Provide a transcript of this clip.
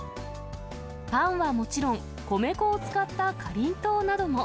パンはもちろん、米粉を使ったかりんとうなども。